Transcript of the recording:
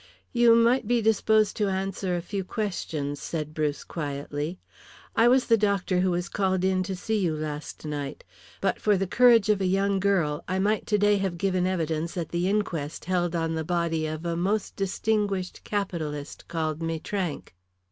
"You might be disposed to answer a few questions," said Bruce, quietly. "I was the doctor who was called in to see you last night. But for the courage of a young girl, I might today have given evidence at the inquest held on the body of a most distinguished capitalist called Maitrank."